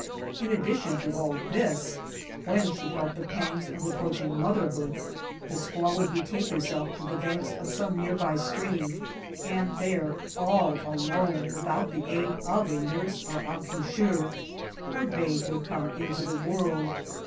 In addition to all this,, when she felt the pangs of approaching motherhood, the squaw would betake herself to the banks of some near by stream and there all alone without the aid of a nurse or accoucheur her babe would come into the world.